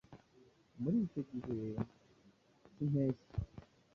Muri icyo gihe k'impeshyi,